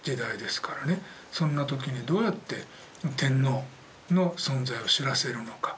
そんな時にどうやって天皇の存在を知らせるのか。